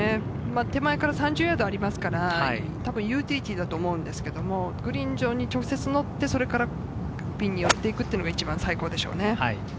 手前から３０ヤードありますから、たぶんユーティリティーだと思うんですがグリーン上に直接乗って、それからピンに寄っていくのが最高ですね。